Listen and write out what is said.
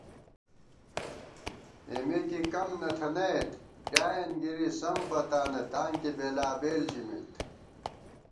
اېمےکی کم نہ تھنَئیت ڈیائین گِرِی سم پتانہ تاں کی بېلابېل ژِمېت